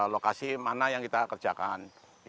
lokasi mana yang kita kerjakan